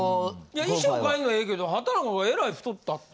衣装変えんのはええけど畠中がえらい太ったって。